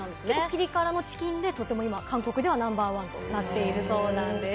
ピリ辛のチキンで、韓国でナンバーワンとなっているそうです。